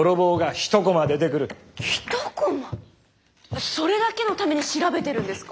一コマ⁉それだけのために調べてるんですか？